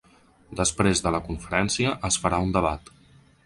Després de la conferència, es farà un debat.